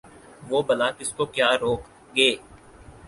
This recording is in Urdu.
وہ بلا کس کو کیا روک گے ۔